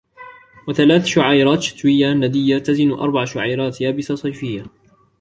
وثلاث شعيرات شتوية ندية تزن أربع شعيرات يابسة صيفية